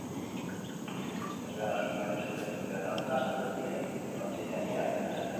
Ezbeharra sumario-sekretupean dagoela azaldu die kontseilariak kazetariei.